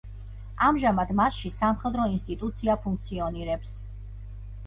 ამჟამად მასში სამხედრო ინსტიტუცია ფუნქციონირებს.